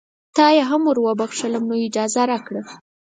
تا یې هم وروبخښلم نو اجازه راکړه.